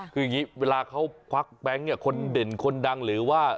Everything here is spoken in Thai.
คืออย่างนี้เวลาเขาควักแบงค์เนี่ยคนเด่นคนดังหรือว่า